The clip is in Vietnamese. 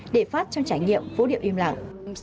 để phát trong trải nghiệm vô điệu im lặng